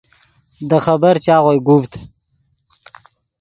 دے خبر چاغوئے گوڤد